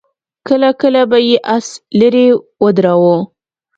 کله کله به يې آس ليرې ودراوه.